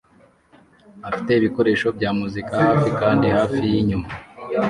afite ibikoresho bya muzika hafi kandi hafi yinyuma